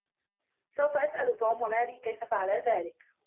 سوف اسأل توم و ماري كيف فعلا ذلك؟